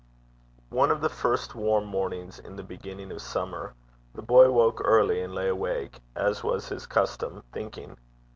One of the first warm mornings in the beginning of summer, the boy woke early, and lay awake, as was his custom, thinking.